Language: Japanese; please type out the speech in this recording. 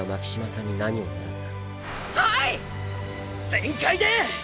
全開で！！